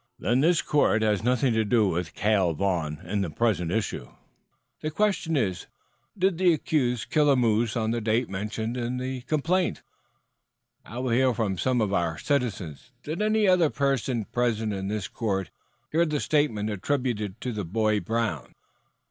"Then this court has nothing to do with Cale Vaughn in the present issue. The question is, did the accused kill a moose on the date mentioned in the complaint? I will hear from some of our citizens. Did any other person present in this court hear the statements attributed to the boy Brown?"